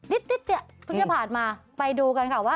นิดเนี่ย